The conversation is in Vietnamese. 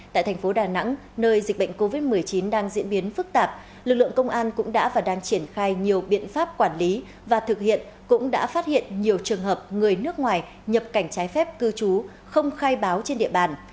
tại thành phố đà nẵng nơi dịch bệnh covid một mươi chín đang diễn biến phức tạp lực lượng công an cũng đã và đang triển khai nhiều biện pháp quản lý và thực hiện cũng đã phát hiện nhiều trường hợp người nước ngoài nhập cảnh trái phép cư trú không khai báo trên địa bàn